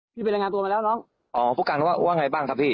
ไปรายงานตัวมาแล้วน้องอ๋อผู้การว่าว่าไงบ้างครับพี่